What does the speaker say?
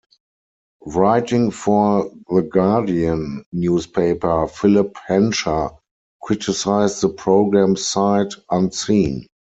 Writing for "The Guardian" newspaper, Philip Hensher criticised the program sight unseen.